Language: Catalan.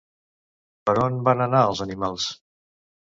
Per on van anar els animals?